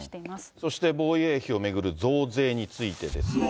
そして防衛費を巡る増税についてですが。